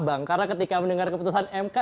bang karena ketika mendengar keputusan mk